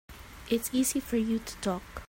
It's easy for you to talk.